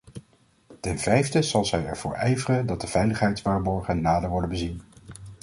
Ten vijfde zal zij ervoor ijveren dat de veiligheidswaarborgen nader worden bezien.